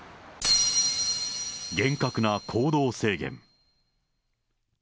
厳格な行動制限。